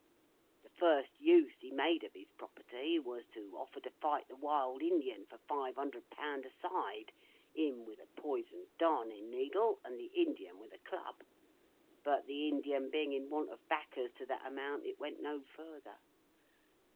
The first use he made of his property, was, to offer to fight the Wild Indian for five hundred pound a side, him with a poisoned darnin needle and the Indian with a club; but the Indian being in want of backers to that amount, it went no further.